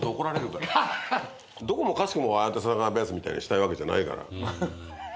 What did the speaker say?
どこもかしこもああやって世田谷ベースみたいにしたいわけじゃないから。